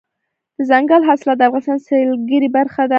دځنګل حاصلات د افغانستان د سیلګرۍ برخه ده.